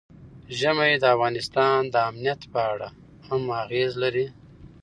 ژمی د افغانستان د امنیت په اړه هم اغېز لري.